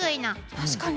確かに。